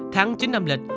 tháng chín âm lịch